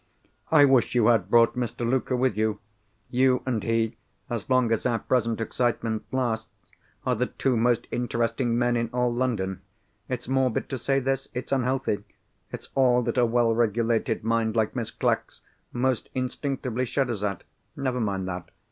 "I wish you had brought Mr. Luker with you. You and he (as long as our present excitement lasts) are the two most interesting men in all London. It's morbid to say this; it's unhealthy; it's all that a well regulated mind like Miss Clack's most instinctively shudders at. Never mind that.